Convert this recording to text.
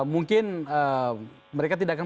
mungkin mereka tidak akan